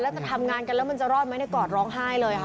แล้วจะทำงานกันแล้วมันจะรอดไหมในกอดร้องไห้เลยค่ะ